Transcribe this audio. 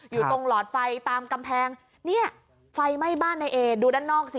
อยู่ตรงหลอดไฟตามกำแพงเนี่ยไฟไหม้บ้านนายเอดูด้านนอกสิ